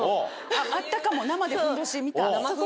あったかも生でふんどし見た。